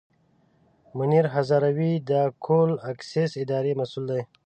منیر هزاروي د اکول اکسیس اداري مسوول.